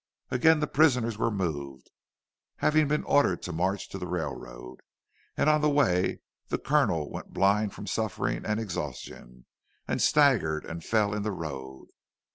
Again the prisoners were moved, having been ordered to march to the railroad; and on the way the Colonel went blind from suffering and exhaustion, and staggered and fell in the road.